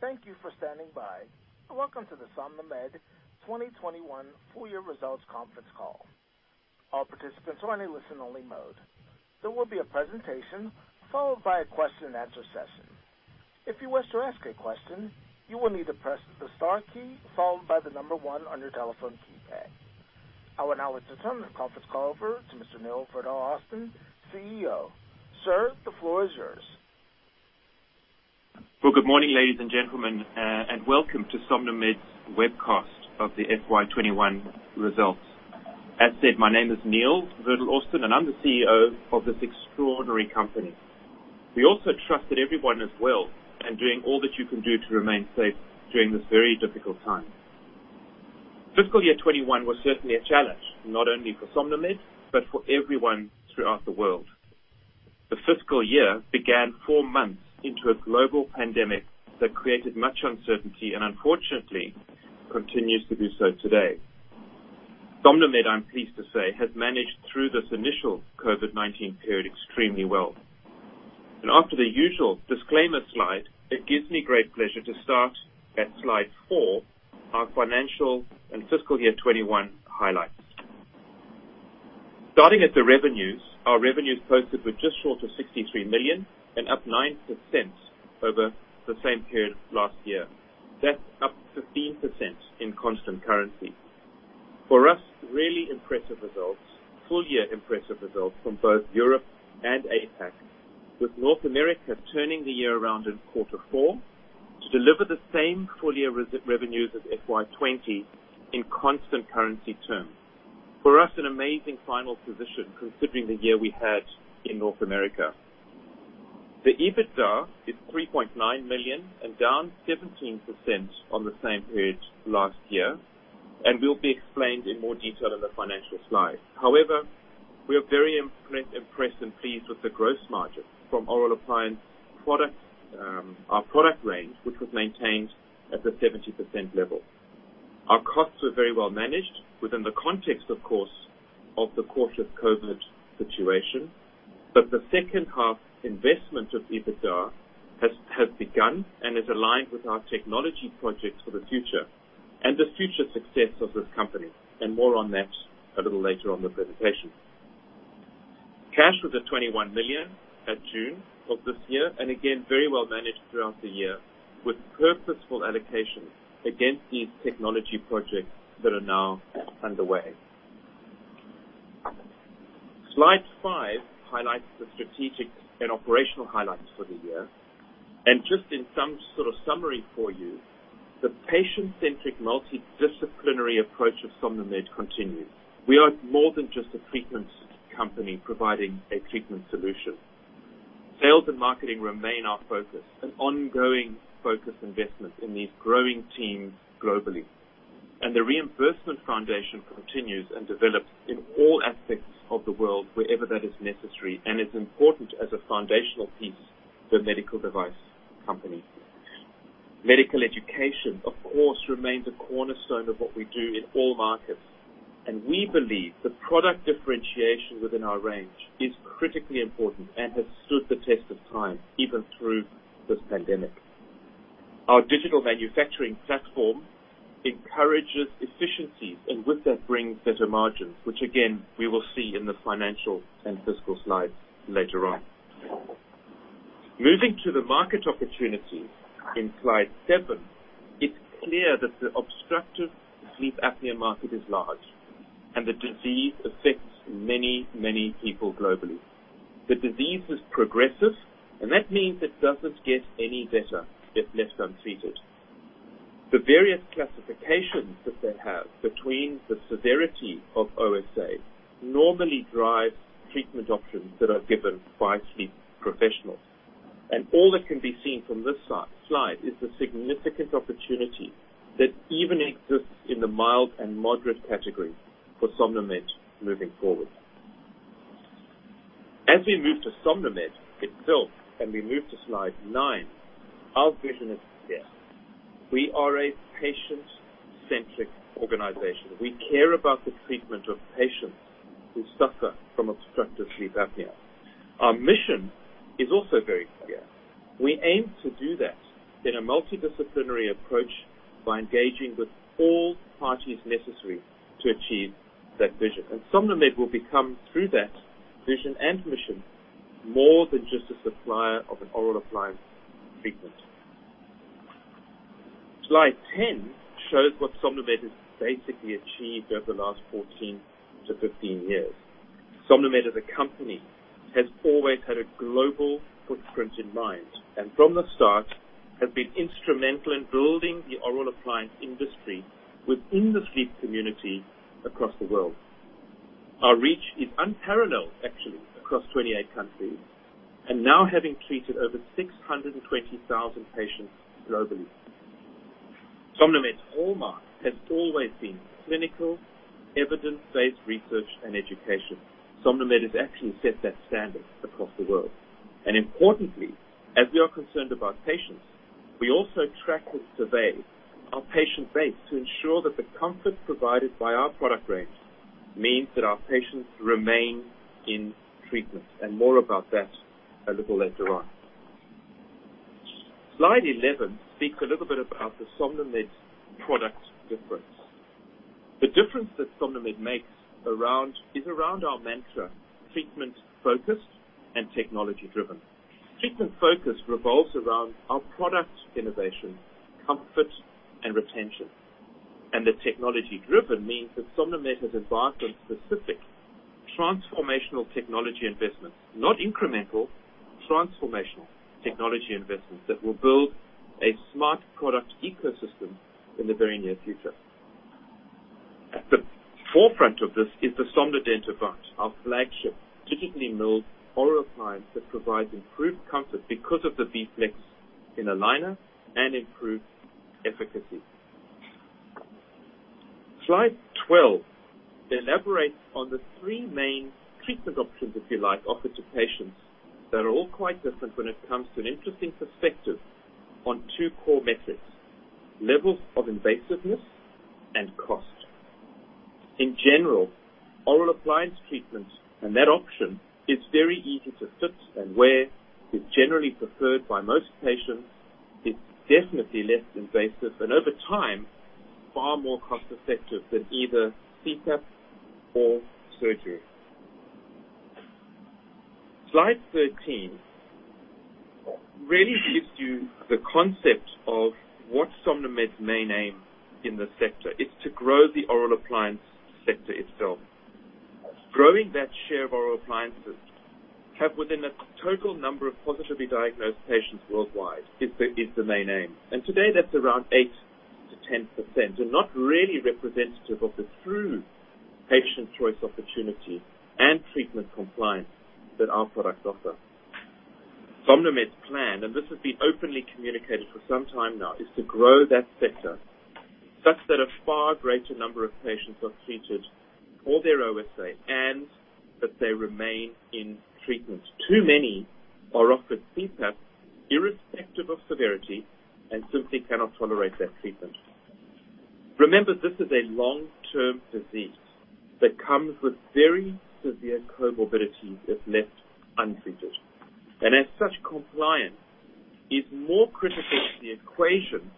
Thank you for standing by. Welcome to the SomnoMed 2021 Full Year Results Conference Call. All participants are in a listen-only mode. There will be a presentation followed by a question-and-answer session. If you wish to ask a question, you will need to press the star key followed by the one on your telephone keypad. I will now return the conference call over to Mr. Neil Verdal-Austin, CEO. Sir, the floor is yours. Well, good morning, ladies and gentlemen, and welcome to SomnoMed's webcast of the FY21 results. As said, my name is Neil Verdal-Austin, and I'm the CEO of this extraordinary company. We also trust that everyone is well and doing all that you can do to remain safe during this very difficult time. Fiscal year 2021 was certainly a challenge, not only for SomnoMed but for everyone throughout the world. The fiscal year began four months into a global pandemic that created much uncertainty and unfortunately continues to do so today. SomnoMed, I'm pleased to say, has managed through this initial COVID-19 period extremely well. After the usual disclaimer slide, it gives me great pleasure to start at slide 4, our financial and fiscal year 2021 highlights. Starting at the revenues, our revenues posted were just short of 63 million and up 9% over the same period last year. That's up 15% in constant currency. For us, really impressive results, full-year impressive results from both Europe and APAC, with North America turning the year around in quarter four to deliver the same full-year revenues as FY20 in constant currency terms. For us, an amazing final position considering the year we had in North America. The EBITDA is 3.9 million and down 17% on the same period last year and will be explained in more detail in the financial slides. However, we are very impressed and pleased with the gross margin from oral appliance products, our product range, which was maintained at the 70% level. Our costs were very well managed within the context, of course, of the COVID-19 situation. The second half investment of EBITDA has begun and is aligned with our technology projects for the future and the future success of this company. More on that a little later on in the presentation. Cash was at 21 million at June of this year, and again, very well managed throughout the year with purposeful allocations against these technology projects that are now underway. Slide five highlights the strategic and operational highlights for the year. Just in some sort of summary for you, the patient-centric multidisciplinary approach of SomnoMed continues. We are more than just a treatment company providing a treatment solution. Sales and marketing remain our focus, an ongoing focus investment in these growing teams globally. The reimbursement foundation continues and develops in all aspects of the world wherever that is necessary and is important as a foundational piece for medical device companies. Medical education, of course, remains a cornerstone of what we do in all markets, and we believe that product differentiation within our range is critically important and has stood the test of time even through this pandemic. Our digital manufacturing platform encourages efficiencies and with that brings better margins, which again, we will see in the financial and fiscal slides later on. Moving to the market opportunity in slide seven, it's clear that the obstructive sleep apnea market is large and the disease affects many, many people globally. The disease is progressive and that means it doesn't get any better if left untreated. The various classifications that they have between the severity of OSA normally drive treatment options that are given by sleep professionals. All that can be seen from this slide is the significant opportunity that even exists in the mild and moderate category for SomnoMed moving forward. As we move to SomnoMed itself, and we move to slide nine, our vision is clear. We are a patient-centric organization. We care about the treatment of patients who suffer from obstructive sleep apnea. Our mission is also very clear. We aim to do that in a multidisciplinary approach by engaging with all parties necessary to achieve that vision. SomnoMed will become, through that vision and mission, more than just a supplier of an oral appliance treatment. Slide 10 shows what SomnoMed has actually achieved over the last 14 to 15 years. SomnoMed as a company has always had a global footprint in mind, and from the start has been instrumental in building the oral appliance industry within the sleep community across the world. Our reach is unparalleled actually across 28 countries and now having treated over 620,000 patients globally. SomnoMed's hallmark has always been clinical evidence-based research and education. SomnoMed has actually set that standard across the world. Importantly, as we are concerned about patients, we also track and survey our patient base to ensure that the comfort provided by our product range means that our patients remain in treatment, and more about that a little later on. Slide 11 speaks a little bit about the SomnoMed product difference. The difference that SomnoMed makes is around our mantra, treatment-focused and technology-driven. Treatment focus revolves around our product innovation, comfort, and retention. The technology-driven means that SomnoMed has embarked on specific transformational technology investments, not incremental, transformational technology investments that will build a smart product ecosystem in the very near future. At the forefront of this is the SomnoDent Avant, our flagship digitally milled oral appliance that provides improved comfort because of the b-flex Comfort Liner and improved efficacy. Slide 12 elaborates on the three main treatment options, if you like, offered to patients that are all quite different when it comes to an interesting perspective on two core metrics, levels of invasiveness and cost. In general, oral appliance treatment, and that option is very easy to fit and wear, is generally preferred by most patients, is definitely less invasive, and over time, far more cost-effective than either CPAP or surgery. Slide 13 really gives you the concept of what SomnoMed's main aim in the sector. It's to grow the oral appliance sector itself. Growing that share of oral appliances within the total number of positively diagnosed patients worldwide is the main aim. Today, that's around 8% to 10%, and not really representative of the true patient choice opportunity and treatment compliance that our products offer. SomnoMed's plan, this has been openly communicated for some time now, is to grow that sector such that a far greater number of patients are treated for their OSA, and that they remain in treatment. Too many are offered CPAP irrespective of severity and simply cannot tolerate that treatment. Remember, this is a long-term disease that comes with very severe comorbidity if left untreated. As such, compliance is more critical to the equation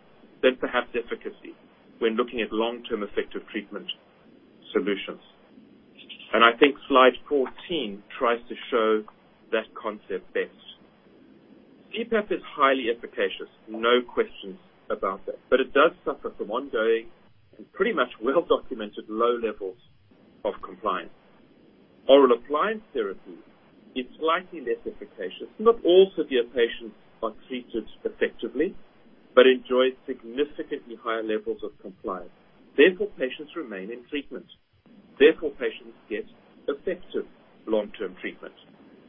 than perhaps efficacy when looking at long-term effective treatment solutions. I think slide 14 tries to show that concept best. CPAP is highly efficacious, no questions about that. It does suffer from ongoing, and pretty much well-documented low levels of compliance. Oral appliance therapy is slightly less efficacious. Not all severe patients are treated effectively, but enjoy significantly higher levels of compliance, therefore, patients remain in treatment. Therefore, patients get effective long-term treatment.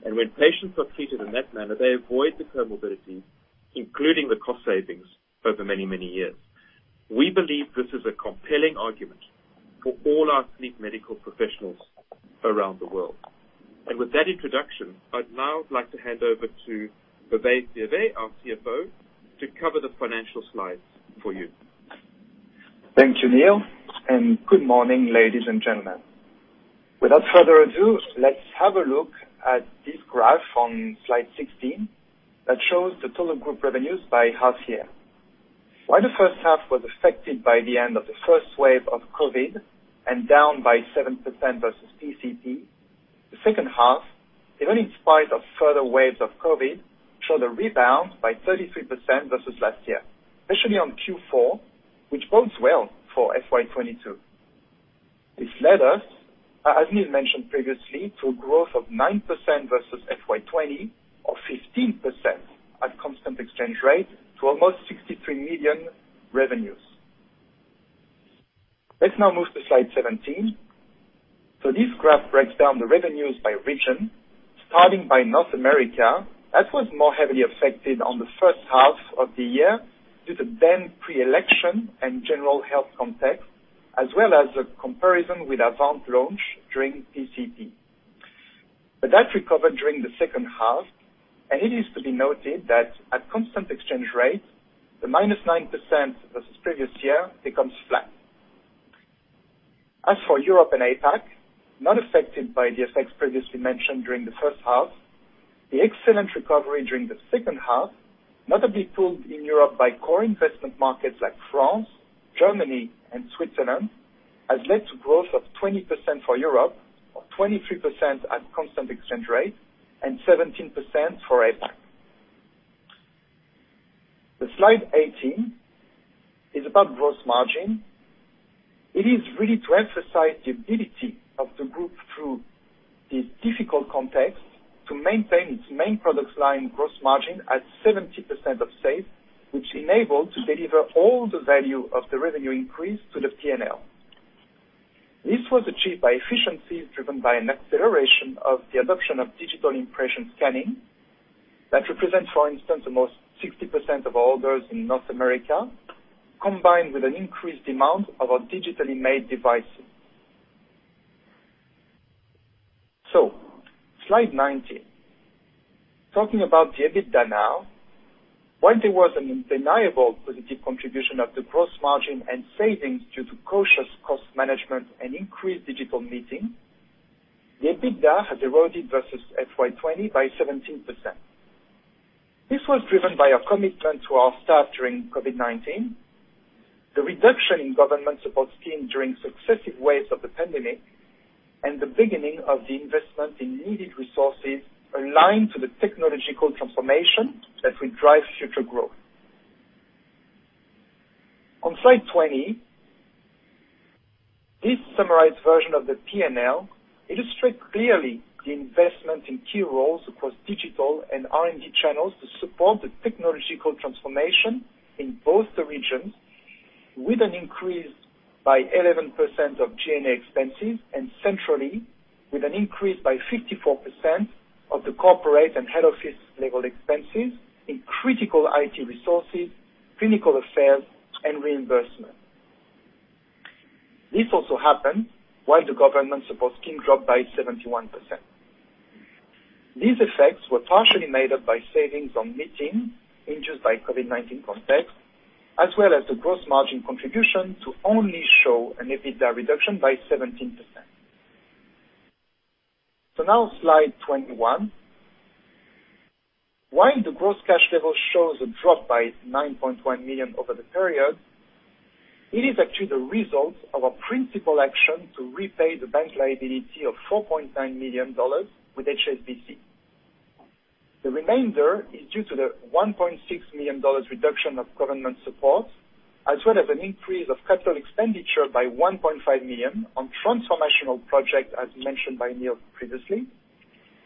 When patients are treated in that manner, they avoid the comorbidity, including the cost savings over many, many years. We believe this is a compelling argument for all our sleep medical professionals around the world. With that introduction, I'd now like to hand over to Hervé Fiévet, our CFO, to cover the financial slides for you. Thank you, Neil. Good morning, ladies and gentlemen. Without further ado, let's have a look at this graph on slide 16 that shows the total group revenues by half year. While the first half was affected by the end of the first wave of COVID and down by 7% versus PCP, the second half, even in spite of further waves of COVID, showed a rebound by 33% versus last year, especially on Q4, which bodes well for FY22. This led us, as Neil mentioned previously, to a growth of 9% versus FY20 or 15% at constant exchange rate to almost 63 million revenues. Let's now move to slide 17. This graph breaks down the revenues by region, starting by North America. That was more heavily affected on the first half of the year due to then pre-election and general health context, as well as the comparison with Avant launch during PCP. That recovered during the second half, and it is to be noted that at constant exchange rate, the -9% versus previous year becomes flat. As for Europe and APAC, not affected by the effects previously mentioned during the first half, the excellent recovery during the second half, notably pulled in Europe by core investment markets like France, Germany, and Switzerland, has led to growth of 20% for Europe, or 23% at constant exchange rate, and 17% for APAC. The slide 18 is about gross margin. It is really to emphasize the ability of the group through this difficult context to maintain its main product line gross margin at 70% of safe, which enabled to deliver all the value of the revenue increase to the P&L. This was achieved by efficiencies driven by an acceleration of the adoption of digital impression scanning. That represents, for instance, almost 60% of orders in North America, combined with an increased amount of our digitally made devices. Slide 19. Talking about the EBITDA now. While there was an undeniable positive contribution of the gross margin and savings due to cautious cost management and increased digital milling, the EBITDA has eroded versus FY20 by 17%. This was driven by a commitment to our staff during COVID-19, the reduction in government support scheme during successive waves of the pandemic, and the beginning of the investment in needed resources aligned to the technological transformation that will drive future growth. On slide 20, this summarized version of the P&L illustrates clearly the investment in key roles across digital and R&D channels to support the technological transformation in both the regions with an increase by 11% of G&A expenses, and centrally, with an increase by 54% of the corporate and head office level expenses in critical IT resources, clinical affairs and reimbursement. This also happened while the government support scheme dropped by 71%. These effects were partially made up by savings on meetings induced by COVID-19 context, as well as the gross margin contribution to only show an EBITDA reduction by 17%. Now slide 21. While the gross cash level shows a drop by 9.1 million over the period, it is actually the result of a principal action to repay the bank liability of 4.9 million dollars with HSBC. The remainder is due to the 1.6 million dollars reduction of government support, as well as an increase of capital expenditure by 1.5 million on transformational projects, as mentioned by Neil previously,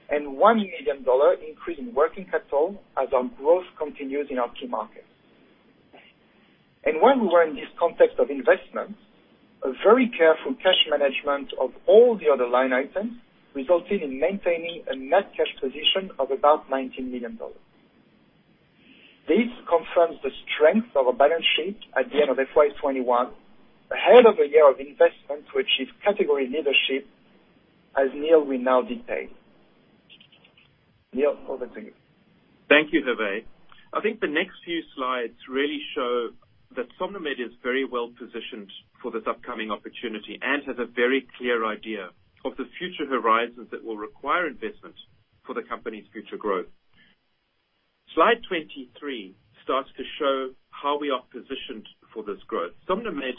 and 1 million dollar increase in working capital as our growth continues in our key markets. While we were in this context of investment, a very careful cash management of all the other line items resulted in maintaining a net cash position of about AUD 19 million. This confirms the strength of our balance sheet at the end of FY 2021, ahead of a year of investment to achieve category leadership, as Neil will now detail. Neil, over to you. Thank you, Hervé Fiévet. I think the next few slides really show that SomnoMed is very well-positioned for this upcoming opportunity and has a very clear idea of the future horizons that will require investment for the company's future growth. Slide 23 starts to show how we are positioned for this growth. SomnoMed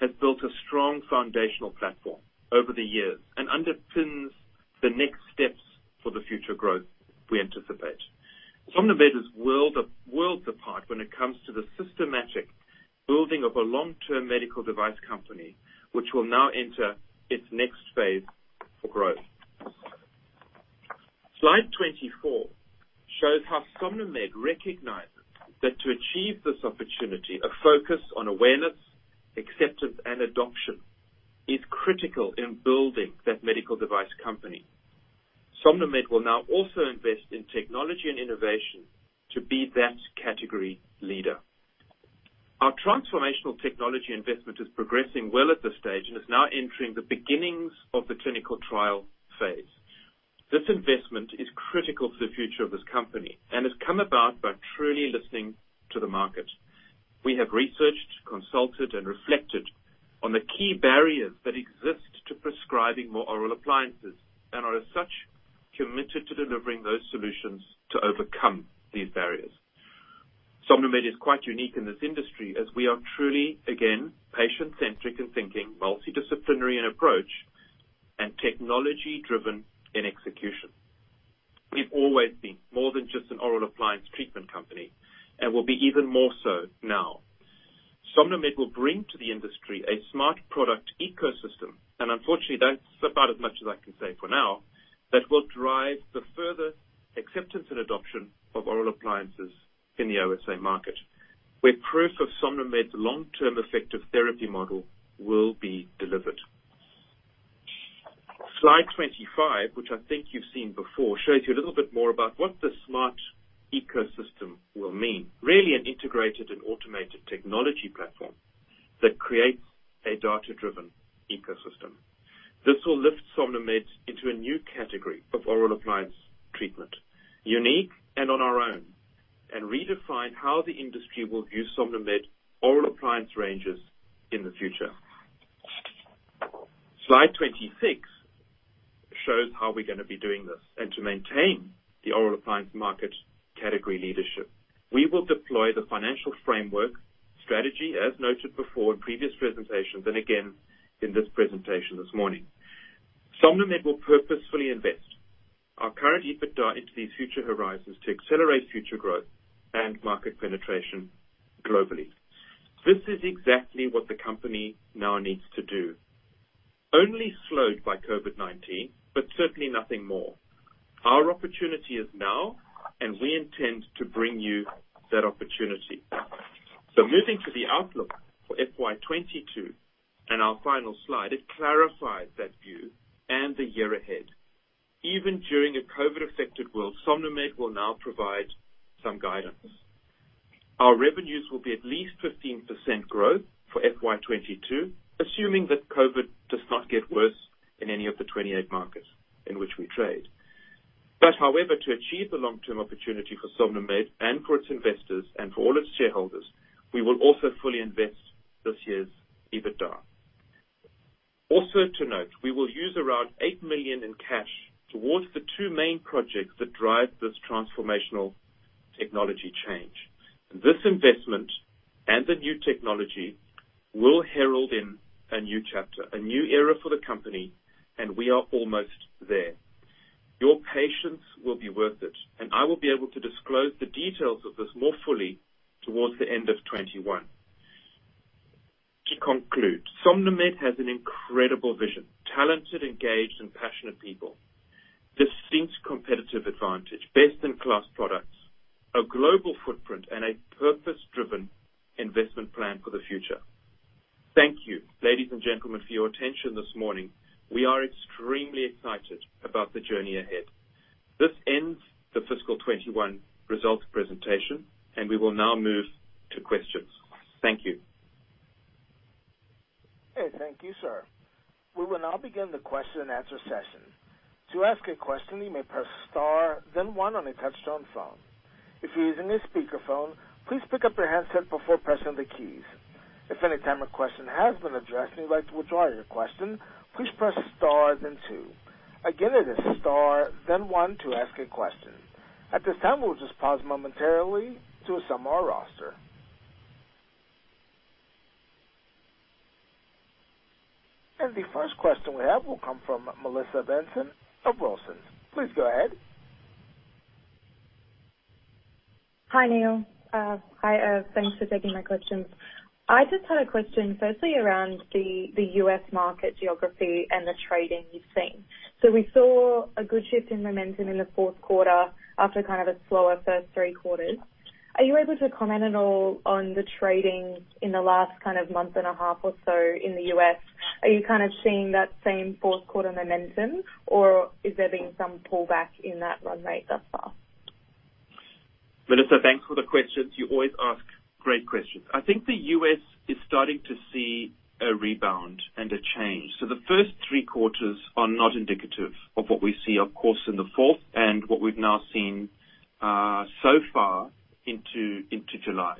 has built a strong foundational platform over the years and underpins the next steps for the future growth we anticipate. SomnoMed is worlds apart when it comes to the systematic building of a long-term medical device company, which will now enter its next phase for growth. Slide 24 shows how SomnoMed recognizes that to achieve this opportunity, a focus on awareness, acceptance, and adoption is critical in building that medical device company. SomnoMed will now also invest in technology and innovation to be that category leader. Our transformational technology investment is progressing well at this stage and is now entering the beginnings of the clinical trial phase. This investment is critical to the future of this company and has come about by truly listening to the market. We have researched, consulted, and reflected on the key barriers that exist to prescribing more oral appliances, and are as such, committed to delivering those solutions to overcome these barriers. SomnoMed is quite unique in this industry, as we are truly, again, patient-centric in thinking, multidisciplinary in approach, and technology-driven in execution. We've always been more than just an oral appliance treatment company, and will be even more so now. SomnoMed will bring to the industry a smart product ecosystem, and unfortunately, that's about as much as I can say for now, that will drive the further acceptance and adoption of oral appliances in the OSA market, where proof of SomnoMed's long-term effective therapy model will be delivered. Slide 25, which I think you've seen before, shows you a little bit more about what the smart ecosystem will mean. Really, an integrated and automated technology platform that creates a data-driven ecosystem. This will lift SomnoMed into a new category of oral appliance treatment, unique and on our own, and redefine how the industry will view SomnoMed oral appliance ranges in the future. Slide 26 shows how we're going to be doing this. To maintain the oral appliance market category leadership, we will deploy the financial framework strategy, as noted before in previous presentations, and again in this presentation this morning. SomnoMed will purposefully invest our current EBITDA into these future horizons to accelerate future growth and market penetration globally. This is exactly what the company now needs to do. Only slowed by COVID-19, but certainly nothing more. Our opportunity is now, and we intend to bring you that opportunity. Moving to the outlook for FY22 and our final slide, it clarifies that view and the year ahead. Even during a COVID-affected world, SomnoMed will now provide some guidance. Our revenues will be at least 15% growth for FY22, assuming that COVID does not get worse in any of the 28 markets in which we trade. However, to achieve the long-term opportunity for SomnoMed and for its investors and for all its shareholders, we will also fully invest this year's EBITDA. Also to note, we will use around 8 million in cash towards the two main projects that drive this transformational technology change. This investment and the new technology will herald in a new chapter, a new era for the company, and we are almost there. Your patience will be worth it, and I will be able to disclose the details of this more fully towards the end of 2021. To conclude, SomnoMed has an incredible vision, talented, engaged, and passionate people, distinct competitive advantage, best-in-class products, a global footprint, and a purpose-driven investment plan for the future. Thank you, ladies and gentlemen, for your attention this morning. We are extremely excited about the journey ahead. This ends the fiscal 2021 results presentation, and we will now move to questions. Thank you. Okay. Thank you, sir. We will now begin the question and answer session. At this time, we'll just pause momentarily to assemble our roster. The first question we have will come from Melissa Benson of Wilsons. Please go ahead. Hi, Neil. Thanks for taking my questions. I just had a question firstly around the U.S. market geography and the trading you've seen. We saw a good shift in momentum in the Q4 after kind of a slower first three quarters. Are you able to comment at all on the trading in the last month and a half or so in the U.S.? Are you kind of seeing that same Q4 momentum, or is there been some pullback in that run rate thus far? Melissa, thanks for the questions. You always ask great questions. I think the U.S. is starting to see a rebound and a change. The first three quarters are not indicative of what we see, of course, in the fourth and what we've now seen so far into July.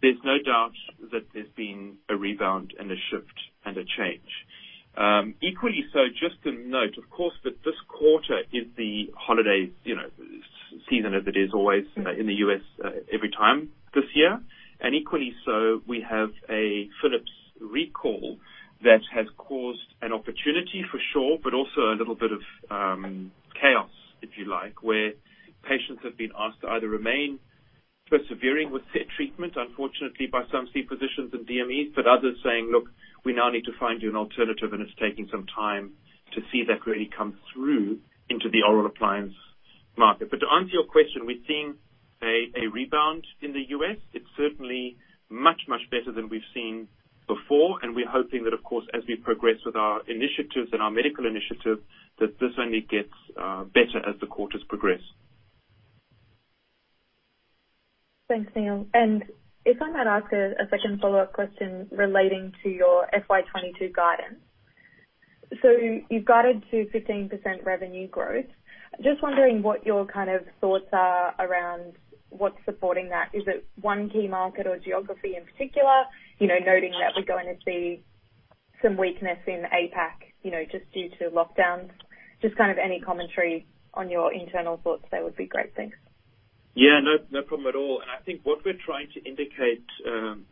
There's no doubt that there's been a rebound and a shift and a change. Equally so, just to note, of course, that this quarter is the holiday season as it is always in the U.S. every time this year. Equally so, we have a Philips recall that has caused an opportunity for sure, but also a little bit of chaos, if you like, where patients have been asked to either remain persevering with their treatment, unfortunately by some sleep physicians and DMEs, but others saying, "Look, we now need to find you an alternative," and it's taking some time to see that really come through into the oral appliance market. To answer your question, we're seeing a rebound in the U.S. It's certainly much, much better than we've seen before, and we're hoping that, of course, as we progress with our initiatives and our medical initiatives, that this only gets better as the quarters progress. Thanks, Neil. If I might ask a second follow-up question relating to your FY22 guidance. You've guided to 15% revenue growth. Just wondering what your kind of thoughts are around what's supporting that. Is it one key market or geography in particular? Noting that we're going to see some weakness in APAC, just due to lockdowns. Just any commentary on your internal thoughts there would be great. Thanks. Yeah. No problem at all. I think what we're trying to indicate,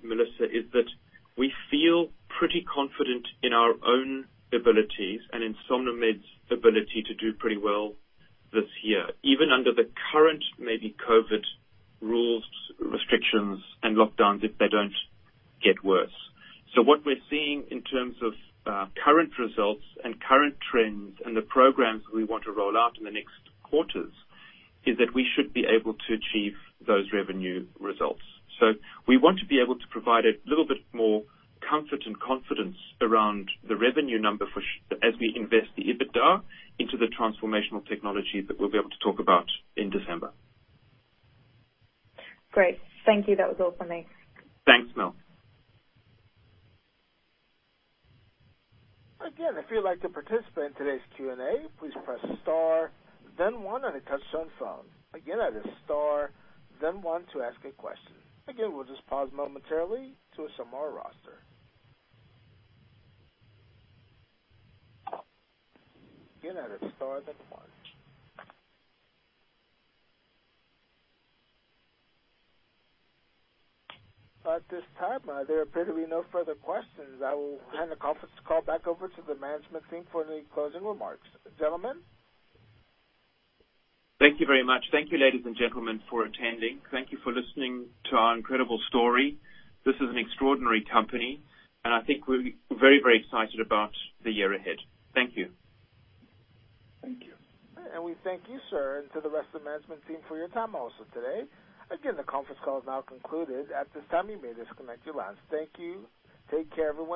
Melissa, is that we feel pretty confident in our own abilities and in SomnoMed's ability to do pretty well this year, even under the current maybe COVID rules, restrictions, and lockdowns, if they don't get worse. What we're seeing in terms of current results and current trends and the programs we want to roll out in the next quarters, is that we should be able to achieve those revenue results. We want to be able to provide a little bit more comfort and confidence around the revenue number as we invest the EBITDA into the transformational technology that we'll be able to talk about in December. Great. Thank you. That was all for me. Thanks, Melissa. Again, if you'd like to participate in today's Q&A, please press star then one on a touch-tone phone. Again, that is star then one to ask a question. Again, we'll just pause momentarily to assemble our roster. Again, that is star then one. At this time, there appear to be no further questions. I will hand the conference call back over to the management team for any closing remarks. Gentlemen? Thank you very much. Thank you, ladies and gentlemen, for attending. Thank you for listening to our incredible story. This is an extraordinary company, and I think we're very, very excited about the year ahead. Thank you. Thank you. We thank you, sir, and to the rest of the management team for your time also today. Again, the conference call is now concluded. At this time, you may disconnect your lines. Thank you. Take care, everyone.